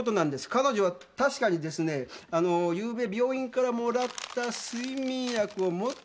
彼女は確かにですねゆうべ病院からもらった睡眠薬を持ってました。